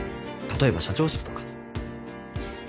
例えば社長室とか。